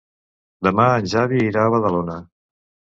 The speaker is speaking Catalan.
Demà en Xavi irà a Badalona.